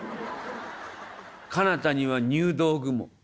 かなたには入道雲。